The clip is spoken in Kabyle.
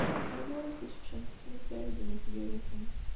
Yella win i s-iseččen ssem i Farid n At Yiraten.